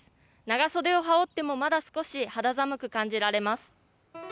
長袖を羽織ってもまだ少し肌寒く感じられます。